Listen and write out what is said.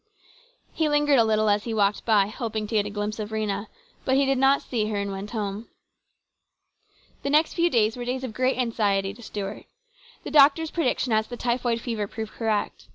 He lingered a little as he walked by, hoping to get a glimpse of Rhena, but he did not see her and went on home. The next few days were days of great anxiety to Stuart. The doctor's predictions as to the typhoid fever proved correct.